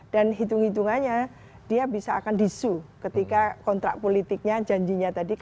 dan hitung hitungannya dia bisa akan disu ketika kontrak politiknya janjinya tadi